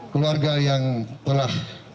keluarga yang telah